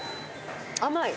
甘い？